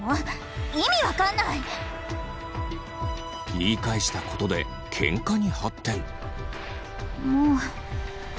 言い返したことでケンカに発展。